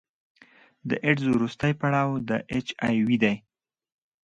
د ایډز وروستی پړاو د اچ آی وي دی.